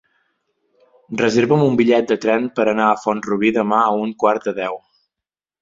Reserva'm un bitllet de tren per anar a Font-rubí demà a un quart de deu.